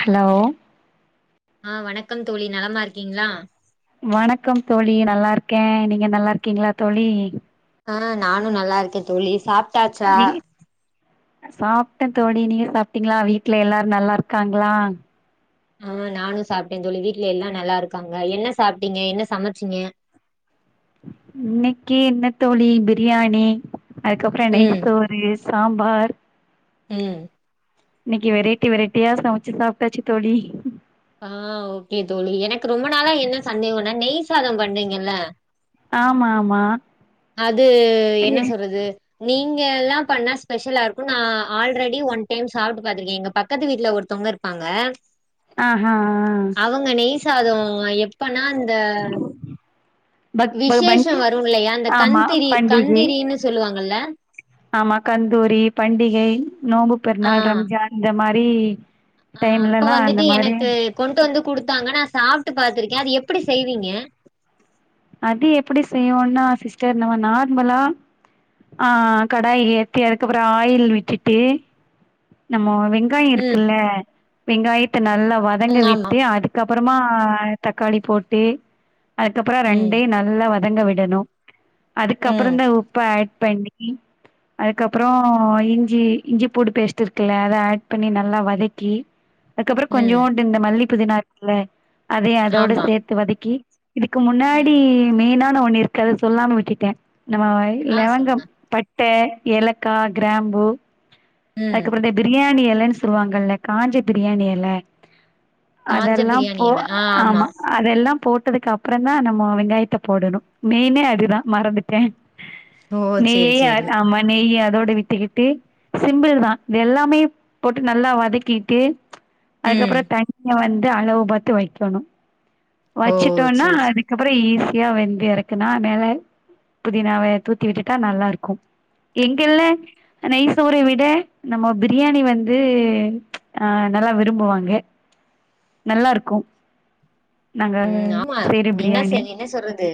Hello ஆ வணக்கம் தோழி நலமாருக்கீங்ளா வணக்கம் தோழி நல்லார்க்கே நீங்க நல்லார்க்கீங்ளா தோழி ஆ நானு நல்லாருக்கே தோழி சாப் ட்டாச்சா வீ சாப்ட்டே தோழி நீங்க சாப்ட்டீங்ளா வீட்ல எல்லாரு நல்லார்க்காங்ளா ம் நானு சாப்ட்டே தோழி வீட்ல எல்லா நல்லாருக்காங்க என்ன சாப்டீங்க என்ன சமச்சிங்க இன்னக்கி என்னத் தோழி பிரியாணி அதுக்கப்றோ நெய் ம் சோரு சாம்பார் ம் இன்னிக்கி வெரைட்டி வெரைட்டியா சமச்சு சாப்ட்டாச்சு தோழி ஆ ஓகே தோழி எனக்கு ரொம்ப நாளா என்ன சந்தேகம்னா நெய் சாதம் பண்றீங்கல்ல ஆமா ஆமா அது என்ன ஐய சொல்றது உ நீங்க எல்லா பண்ணா ஸ்பெஷலா இருக்கு நா ஆல்ரெடி ஒன் டைம் சாப்ட்டு பாத்திருக்கே எங்க பக்கத்து வீட்ல ஒருத்தவங்க இர்ப்பாங்க ஆஹ ஆ ஓ எப்ப [unintelligible] பட் ப பண்டி அந்த ஆமா கண்திரி பண்டிகை கண்திரின்னு சொல்லுவாங்கல்ல ஆமா கந்தூரி பண்டிகை நோம்பு பெருநாள் ஆ ரம்ஜான் இந்த மா வி ஆ அப்ப வந்துட்டு எனக்கு கொண்ட்டு வந்து குடுத்தாங்க நா சாப் ட்டு பாத்துருக்கே அது எப்பிடி செய்வீங்க அது எப்படி செய்வோன்னா சிஸ்டர் நம்ம நார்மலா ஆ ஆ கடாய ஏத்தி அதுக்கப்பற ஆயில் விட்டுட்டு நம்மோ வெங்காய ம் இருக்குல்ல வெங்காயத்த நல்லா வதங்க ம் ஆமா விட்டு அதுக்கப் பறமா தக்காளி போட்டு அது ம் ரெண்டயு நல்ல வ வெங்க விடணு அதுக்கப்பற ம் தா உப்ப ஆட் பண்ணி அதுக்கப்பறோ ஆ இஞ்சி இஞ்சி பூடு பேஸ்ட் இருக்குல்ல அத ஆட் பண்ணி நல்லா வதக்கி அதுக்கப்பற ம் கொஞ்சோண்டு இந்த மல்லி புதினா இருக்ல அதயு அதோட ஆமா சேத்து வதக்கி இதுக்கு மு ன்னாடி ம் மெய்னா இன்ன ஒன்னு இருக்கு அத சொல்லாம விட்டுட்டே இத மா ஆ லவங்கம் சொல்லுங்க பட் ட்ட ஏலக்கா க்ராம்பு ம் அதுக்கப்பற இந்த பிரியாணி எல ல சொல்லுவாங்கல்ல காஞ்ச பிரியாணி எல காஞ்ச அதெல்லா பிரியாணி போ எல ஆ ஆமா அதெல்லா போட்டதுக்கப்ற தா நம்மோ வெங்காயத்த போடணு மெய்ன்னே அதுதா மறந்துட்ட ஓ நெய்யை சேரி சேரி ஆட் ஆமா நெய்ய ஆட் அதோட விட்டுக்கிட்டு சிம்பிள்தா இது எல்லாமே போட்டு நல்லா வதக்கிட்டு ம் அதுக்கப்ற தண்ய வந் து அளவு பாத்து வைக்கணு ஓ சேர் சேரி அப்ற ஈஸியா வெந்து எறக்குன்னா மேல புதினாவ தூத்தி விட்டுட்டா நல்லாருக்கும் எங்கிள்ல நெய்சோற விட நம்ம பிரியாணி வந்து ஆ நல்லா விரும்புவாங்க நல்லாருக்கு நாங்க அ நீங்னா செஞ்சீங்கனா சொல்றது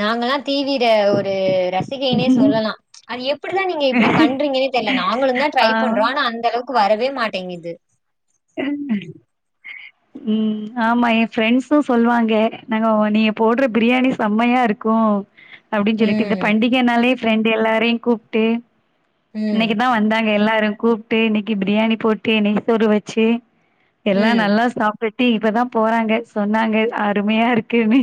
நாங்கல்லா டி வி இங்க ஒரு ரசிகைனே சொல்லலா அது எப்படிதா நீங்க இப்டி பண்றிங்கனே தெர்ல நாங்களுந்தா ட்ரை பண்றோ ஆ ஆனா அந்தளவுக் வரவே மாட்டேங்குது ம் ஆமா எ ஃப்ரெண்ஸு சொல்வாங்கெ நாங்க நீங்க போடற பிரியாணி செமையா இருக்கு அப்புடின் சொல்லிட்டு இந்த ம் பண்டிகைனாலே ஃப்ரெண்டு் எல்லாரையு கூப்ட்டு ம் இன்னைக்குதா வந்தாங்க எல்லாரும் கூப்ட்டு இன்னைக்கி பிரியாணி போட்டு நெய் சோறு வச்சு எல்லா ம் நல்லாஸ் பெட்டி இப்பதா போறாங்க சொன்னாங்க அருமையா இருக்குன்னு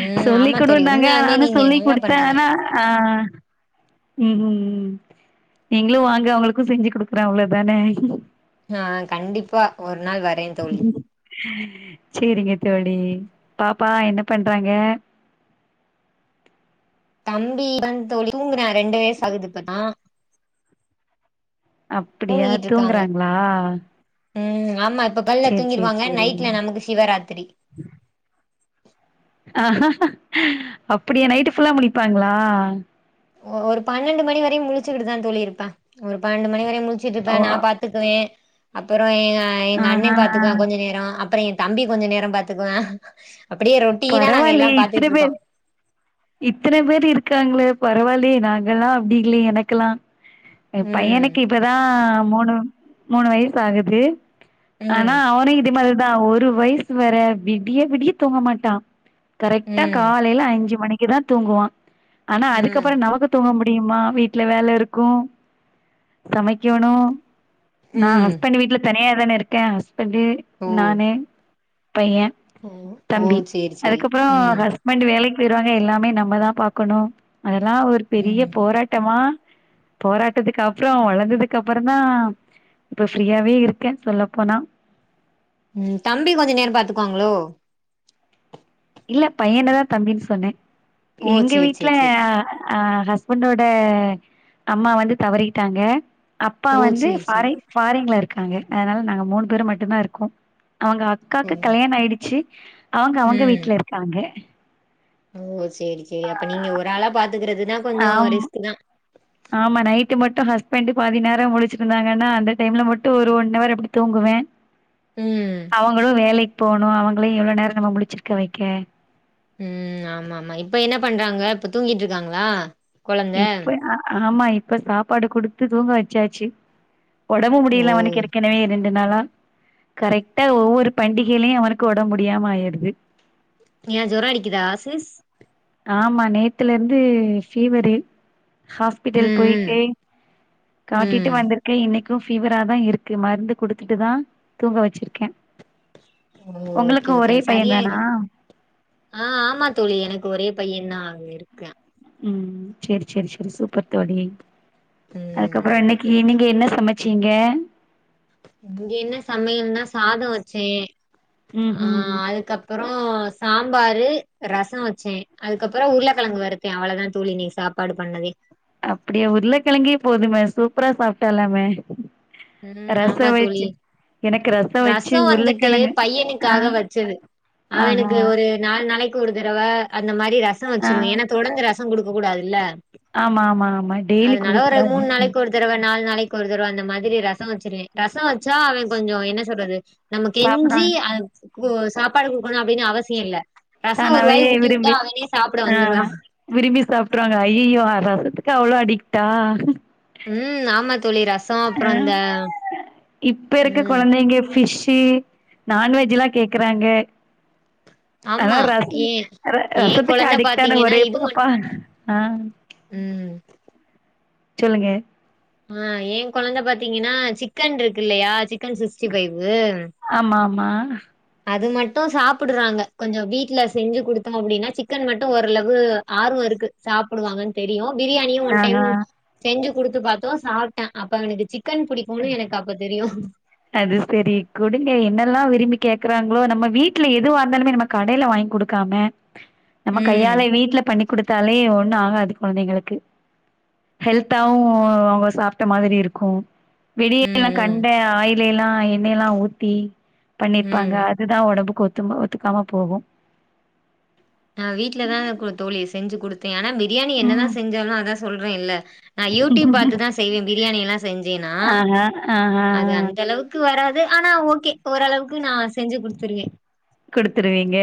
ம் ஆமா தோழி சொல்லிகுடுனாங்க உண்மையாலுமே நானு நீங்க நல்லா சொல்லி்குடுத்தே பண்றீங்க ஆனா ஆ ம் ம் நீங்ளு வாங்க உங்களுக்கு செஞ்சு குடுக்குறே அவ்ளோ தானே ஆ கண்டிப்பா ஒரு நாள் வரே தோழி செரிங்க தோழி பாப்பா என்ன பண்றாங்க [unintelligible] தோழி தூங்றா ரெண்டு வயசு ஆகுது இப்பதா அப்புடியா தூங்கிட்டு இருக்காங்க தூங்குறாங்ளா ம் ஆமாத் இப்ப கால்ல தூங்கிருவாங்க நைட்ல நமக்கு சிவராத்திரி அப்புடியா நைட்டு ஃபுல்லா முழிப்பாங்ளா ஒரு பன்னண்டு மணி வரையு முடழுச்சுகிட்டுதா தோழி இருப்பா ஒருபன்னெண்டு மணி வரை முழுச் ச்சுட்ருப்பா ஓ நா பாத்துக்குவே அப்பறோ ஏ அ எங்க அண்ணே ஆஹா பாத்துக்குவா கொஞ்ச நேரோ அப் அப்பற எ தம்பி கொஞ்ச நேர பாத்துக்குவா அப்டியே ரொட்டீனா நாங்க எல்லா பரவால்லயே இத்தன பாத்துட்டு இருக்கோ பேர் இத்தன பேர் இருக்காங்ளே பரவால்யே நாங்கல்லா அப்டி இல்ல எனக்லா ஏ ம் பையனுக்கு இப்பதா மூணு மூணு வயசு ஆகுது ஆனா ம் அவனு இதே மார் எட்த் தா ஒரு வய்ஸ் வர விடிய விடிய தூங்க மாட் டா கரெக்டா ம் காலைல அஞ்சு மணிக்கு கிதா தூங்குவா ஆனா அதுக்கப்புற ம் நமக்கு தூங்க முட் முடியுமா வீட்ல வேல இருக்கு சமைக்கணு நா ம் ஹஸ்பண்ட் வீட்ல தனியா தான இருக்கே இப்டியே ஓ நானே ஓ ஓ சேரி சே அதுக்கப்றோ ஹஸ்பண்ட் வீ வேலைக்கு விட்றாங்க எல்லாமே நம்ம தா பாக்கணு அதெல்லா ஒரு பெரிய ம் போராட்டமா போராட்டதுக்கு அப்றோ வளந்ததுக்கு அப்பறந்தா இப்ப ஃப்ரீயாவே இருக்கே சொல்லப்போனா உம் தம்பி கொஞ்ச நேர பாத்துக்குவாங்ளோ இல்ல பையனதா தம்பின் சொன்னே ஓ எங்க சேரி வீட்ல சேரி சேரி ஆ ஹஸ்பண்டோட அம்மா வந்து தவறிட்டாங்க அப்பா ஓ வந்து சேரி ஃபாரி சேரி ஃபாரின்ல இருக் க்காங்க அதனால நாங்க மூணு பேரு மட்டுந்தா இருக்கோ அவ்ங்க அக்காவ்க்கு ம் கல்யாண ஆயிடுச்சு அவ்ங்க அவ்ங்க ம் வீட் உண்ம ஓ சேரி சேரி அப்ப நீங்க ஒராளா பாத்துக்குறதுனா கொஞ்சோ ஆம் ரிஸ்க்கு தா ஆமா நைட்டு மட்டு ஹஸ்பண்டு பாதி நேர முழிச்சிக்ருந்தாங்கனா அந்த டைம்ல மட்டு ஒரு ஒன்னவர் அப்டி தூங்குவே ம் அவ்ங்களு வேலைக் போணு அவுங்களயு எவ்ள நேர நம்ம முழிச்சிருக்க வக்கெ ம் ஆமாம்மா இப்ப என்ன பண்றாங்க இப்ப தூங்கிட்ருக்காங்ளா இப்ப ஆ ஆமா இப் ப்ப சாப்பாடு குடுத்து தூங்க வச்சாச்சு ஒடம்பு ஓ முடியல அவனுக்கு ஏற்கனவே இருந் நாளா கரெக்ட்டா ஒவ்வொரு பண்டிகைலயு அவனுக்கு ஒடம்பு முடியாம ஆயிருது ஏ ஜொர அடிக்குதா சிஸ் ஆமா நேத்துல இருந்து ஃபீவரு ஹாஸ்பிட்டல் ம் ம் போயிட்டு காட்டிட்டு ம் வந்திருக்கே இன்னைக் கு ஃபீவரா தா இருக்கு மருந்து குடுத்துட்டுதா தூங்க வச்சிருக்கே உங்களுக்கு ஓகே ஓகே ஒரே அது பையன் தானா சரியாயிரு ஆ ஆமா தோழி எனக்கு ஒரேப் பைய தா அவ ஒருத்த ம் செரி செரி செரி சூப்பர் தோழி ம் அதுக்கப்பறோ ஓகே இன்னைக் தோழி ஈவ்னிங் என்ன சமச் சீங்க இங்க என்ன சமயல்னா சாத வச்சே ம் அ ம் அதுக்கப் பறோ சாம்பாரு ரசோ வச்சே அதுக்கப்புறோ உருளக்கெழங்கு வறுத்தே அவ்வளதா தோழி இன்னிக் சாப்பாடு பண்ணதே அப்டியா உருளக்கெழங்கே போதுமே சூப்பரா சாப்ட்டலாமே ம் ஆமா தோழி எனக்கு வச்சு ரசோ வந்துட்டு உருளக்கெழங்கு ஆ பையனுக்காக வச்சது ஆஹா அவனுக்கு ஒரு நால் நாளைக் கொரு தடவ அந்த மா ரி ரசோ ஆ வச்சிருவே ஏனா தொடந்து ர சோ குடுக்க கூடாதுல்ல ஆமா ஆமா ஆமா டெய்லி அதனால குடுக்க ஒரு கூடாது மூணு அ நாளைக்கு ஒரு தடவ நாலு நாளைக்கு ஒரு தடவ அந்த மா திரி ரசோ வச்சிருவே ரசோ வச்சா அவ கொஞ்சோ என்ன சொல்றது நம்ம கெஞ்சி சாப்புடுவாங்க அத் கு சாப் ப்பாடு குடுக்கணு அப்டினு அவசியே இல்ல ரசோ ஒரு தானாவே வாய் ஊட்டி வுட்டா விரும்பி அவனே சாப்ட அ வந்துருவா விரும்பி சாப்பட்ருவாங்க அய்யியோ ரசத்துக்கு அவ்ளோ அடிக்டா ம் ஆமாத் அ இப்ப இருக்க ம் குழந்தைங்க ஃபிஷ் ஸு நான்வெஜ்ஜில்லா கேக்குறாங்க ஆனா ஆமா ரச ஏ ர ஏ ரசத்துக்கு கொழந்த அடிக்ட் ஆன பாத்தீங்கன்னா ஒரே இது மட் பாப்பா அ ம் சொல்லுங்க ஆ ஏ கொழந்த பாத்தீங்கன்னா சிக்கன் ருக் இல்லயா சிக் கன் சிஸ்டி ஃபைவு மா அது மட்டு சாப்பிடுறாங்க கொஞ்சோ வீட்ல செஞ்சு கொடுத்தோம் அப்டினா சிக்கன் மட்டு ஓரளவு ஆர்வோ இருக்கு சாப்புடுவா அவ தெரியு பிரியாணியு ஒன் டைம் ஆஹா செஞ்சு குடுத்து பாத்தோ சாப்டா அப்ப அவனுக்கு சிக் கன் புடிக்குனு எனக் அப்போ தெரியு உ அது செரி குடுங்க என்னெல்லா விரும்பி கேக்குறாங்ளோ நம்ம வீட்ல எதுவா இருந்தாலுமே நம்ம கடைல வாய்ங் குடுக்காம நம்ம ம் கையால வீட்ல பண்ணி குடுத் தாலே ஒண்ணு ஆகாது கொழந்தைங்களுக்கு ஹெல்த்தாவு அவ்ங்க சாப்ட்ட மாதிரி இருக்கு வெளில ம் ம் கண்ட ஆயில் ல ஏ எல்லா எண்ணெயல்லா ஊத்தி பண்ணிர்பாங்க ம் அதுதா ஒடம்புக்கு ஒத் ரொம்ப ஒத்துக்காம போகு நா வீட்ல தா தோழி செஞ்சு குடுத்தே ஆனா வெ பிரியாணி என்ன தா ம் செஞ்சாலு அத சொல்றே இல்ல நா யூடியூப் பாத்துதா செய்வே பிரியாணி எல்லா செஞ்சேன்னா ஆஹா ஆஹா அது அந்த அளவுக்கு வராது ஆனா ஓகே ஓரளவுக்கு நா செஞ்சு குடுத்துருவே குடுத்துருவீங்க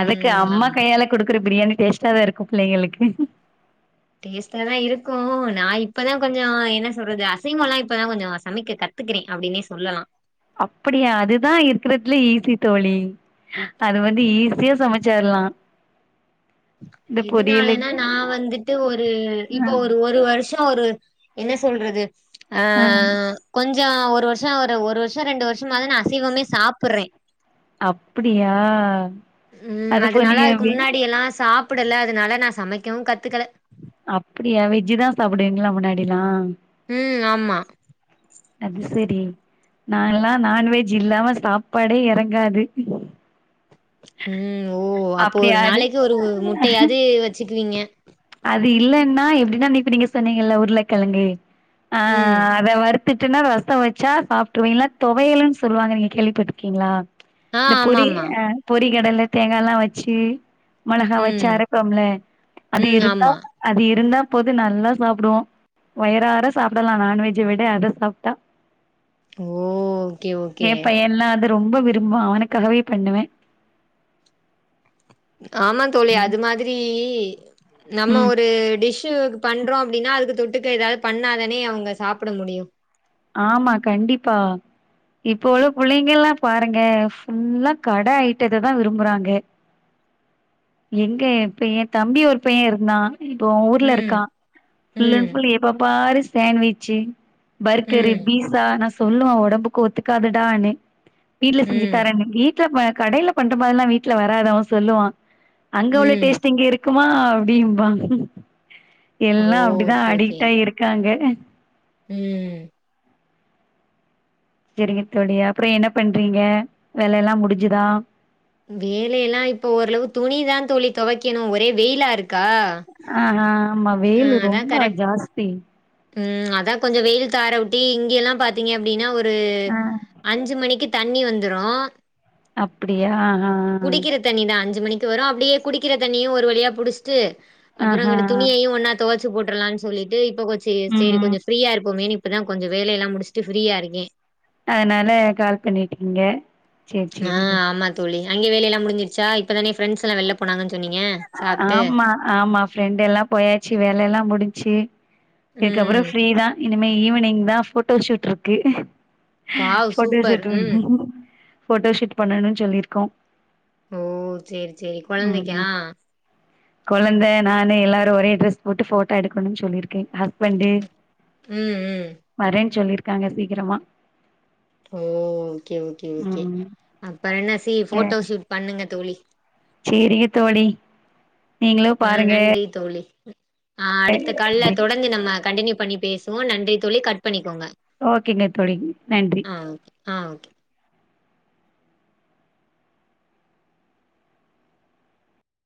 அதுக்கு அம்மா ஆமா. கையால குடுக் ற குற பிரியாணி டேஸ்ட்டா தா இருக்கு பிள்ளைங்களுக்கு டேஸ்ட்டா தா இருக்கு நா இப்பதா கொஞ்சோ என்ன சொல்றது அசைவல்லா இப்பதா கொஞ்சோ சமைக்க கத்துக்கிறே அப்படின்னே சொல்லலா அப்டியா அதுதா இருக்கறதுலே ஈஸி தோழி அது வந்து ஈஸியா சமைச்சிரலா எதுனாலன்னா நா வந்துட்டு ஒரு ஆ இப்ப ஒரு ஒரு வருஷ ஆ ஒரு என்ன சொல்றது ஆ கொஞ் ஆ ஒரு வருச ஒரு ஒரு வருஷ ரெண்டு வருஷ மாதா நா அசைவமே சாப்பறே அப்படியா ம் அது போ அதனால நீங்க அதுக்கு வெ முன்னாடி எல்லா சாப் ப்பிடல அதனால நா சமைக்கவு கத்துக்கல அப்டியா வெஜ்ஜிதா சாப்டுவீங்களா முன்னாடில்லா ம் ஆமா அது சரி நா எல்லா நான்வெஜ் இல்லாம சாப்பாடே எறங்காது ம் ஓ அப்போ ஒரு அப்படியா அது நாளைக்கு ஒரு முட்டையாவது வச்சு வச்சுக்குவீங்க அது இல்லன்னா எப்படின்னா நீப்ப நீங்க சொன்னீங்கல்ல உருளக்கெழங்கு ஆ ம் அத வரு தட்டுனா ரசம் வச்சா சாப்ருவீங்களா தொவையல்ன்னு சொல்லுவாங்க நீங்க கேள்விப்பட்ருக்கீங்களா ஆ இந்த பொரி ஆமாமா அ பொரி டையில தேங்கால்லா வச்சு மொளகா வச்சு ம் அரபொம்ல அது ம் இருந்தா ஆமா அது இருந்தா போது நல்லா சாப்டுவோ வயரார சாப்டலா நான்வெஜ்ஜை விட அத சாப்ட்டா ஓ ஓகே ஓகே ஏ பையன்லா அது ரொம்ப விரும்புவா அவனுக்காகவே பண்ணுவே [inaudible] ஆமா தோழி அது மாதிரி இ நம்ம ம் ஒரு டிஷ் சுக்கு பண்றோ அப்டினா அதுக்கு தொட்டுக்க ஏதாது பண்ணாதானே அவுங்க சாப்புட முடியு ஆமா கண்டிப்பா இப்போ ஒள்ள புள்ளைங்கெல்லா பாருங்க ஃபுல்லா கட ஐட்டத்ததா விரும்புறாங்க எங்கே இப்ப எ தம்பி ஒரு பைய இருந்தா இப்போ அவு ஊர்ல ம் இருக்கா ஃபுல் அண்ட் ம் ஃபுல் எப்ப பாரு சான்ட்விச்சு தெரி ம் பீஸா நா சொல்லுவே ஒடம்பு புக்கு ஒத்துக்காதுடானு வீட்ல செஞ்சுத் ம் தரேனு வீட்ல பா கடைல பண்ட்டப்பல்லா வீட்ல வராதவே சொல்லுவா அங்க உள்ள ம் டேஸ்ட்டு இங்கே இரு‌ க்குமா அப்டிம்பாங்க ஓ எல்லா அப்டிதா ஓகே ஓகே அடிக்ட்டாயி இருக்காங்க ம் செரிங்க தோழியே அப்றோ என்ன பண்றீங்க வேலலா முடிஞ்சுதா வேலையெல்லா இப்போ ஒரளவு துணிதா தோழி தொவைக்கேணு ஒரே வெயிலா இரு கா ஆ ஆ ஆமா வெயிலு ரொம்ப ஜாஸ்தி ம் அதா கொஞ்சோ வெயில் தார உட்டி இங்கெல்லா பாத்தீங்க அப்டினா ஒரு ரு ஆ அஞ்சு மணிக்கு தண்ணி வந்துரோ அப்பிடியா ஆ து வரு அப்டியே குடிக்கிற தண்ணியு ஒரு வழியா புடுஸ்ட்டு அப்புறோ ஆஹா அங்குட துணியையு ஒண்ணா துவ ச்சு போட்டுறலா சொல்லிட்டு இப்ப கொஞ் செரி ம் செரி ம் கொஞ்சோ ஃப்ரீயா இருப்போமேனிவு இப்பதா கொஞ்சோ வேலை எல்லா முடிச்சுட்டு ஃப்ரீயா இருக்கே அத்னால கால் பண்ணிட்டீங்க சேரி ஆ சேரி ஆமா தோழி அங்கே வேலையெல்லா முடிஞ்சிருசா இப்பதானே ஃப்ரெண்ட்ஸ் எல்லா வெள்ல போனாங்க ஆமா ஆமா ஃப்ரெண்ட் எல்லா போயாச்சு வேலை எல்லா முடிஞ்ச்சு இதுக்கப்புறோ ம் ஃப்ரீதா இனிமே ஈவினிங் தா ஃபோட்டோ ஷூட்ருக்கு வாவ் ஃபோட்டோ சூப்பர் ஷூட் ம் ஃபோட்டோ ஷூட் பண்ணனும் சொல்லியிருக்கோ ஓ சேரி சேரி குழந்தைக்கா குழந்த நானு எல்லாரும் ஒரே ட்ரெஸ் போட்டு ஃபோட்டோ எடுக்கணும்னு சொல்லிருக் க்கு ஹஸ்பன்ட்டு ம், ம். வரேன்னு சொல்லிருக் காங்க சீக்கிரமா ஓ ஓகே ஓகே ஓகே ம் அப்ப என்ன சி சே ஃபோட்டோ ஷூட் பண்ணுங்க தோழி சேரிங்க தோழி நீங்களு ஆ பாருங்க நன்றி தோழி ஆ அடுத்த கால்ல தொடந்து நம்ம கண்டினியூ பண்ணி பேசுவோம் நன்றி தோழி கட் பண்ணி ஓகேங்க தோழி நன்றி ஆ ஓகே, ஆ ஓகே